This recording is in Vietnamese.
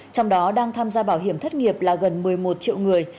trong đó đang tham gia bảo hiểm thất nghiệp là gần một mươi một triệu người